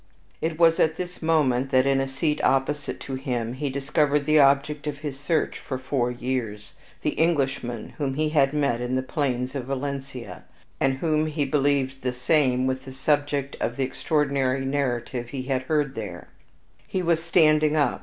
It was at this moment that, in a seat opposite to him, he discovered the object of his search for four years, the Englishman whom he had met in the plains of Valencia, and whom he believed the same with the subject of the extraordinary narrative he had heard there. * Vide Betterton's History of the Stage. He was standing up.